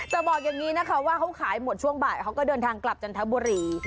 บอกอย่างนี้นะคะว่าเขาขายหมดช่วงบ่ายเขาก็เดินทางกลับจันทบุรี